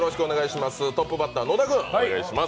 トップバッター、野田君、お願いします。